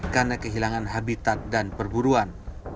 karena kehilangan habitat dan perburuan